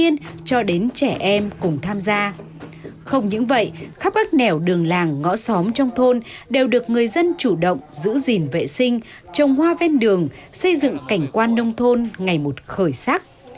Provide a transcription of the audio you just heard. không những vậy khắp các nẻo đường làng ngõ xóm trong thôn đều được người dân chủ động giữ gìn vệ sinh trồng hoa ven đường xây dựng cảnh quan nông thôn ngày một khởi sắc